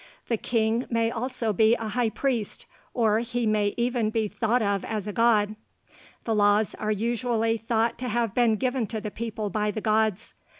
The king may also be a high priest, or he may even be thought of as a god. The laws are usually thought to have been given to the people by the gods.